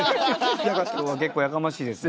結構やかましいですね。